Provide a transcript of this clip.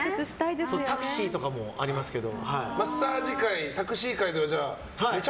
タクシーとかもありますけど。